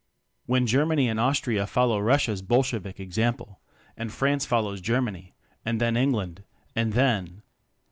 When Germany and Austria follow Russia's (Bolshevik) example, and France follows Germany, and then England, and then